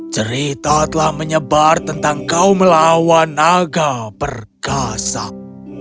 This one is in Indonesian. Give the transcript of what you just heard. cerita telah menyebar tentang kau melawan naga berkasak